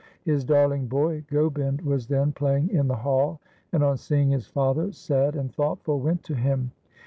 His darling boy Gobind was then playing in the hall, and on seeing his father sad and thoughtful went to him.